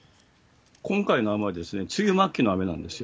今回は梅雨末期の雨なんですよ。